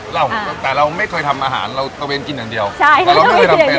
เราแต่เราไม่เคยทำอาหารเราตะเวนกินอย่างเดียวใช่ค่ะแต่เราไม่เคยทำเป็น